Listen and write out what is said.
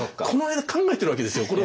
この間考えてるわけですよ。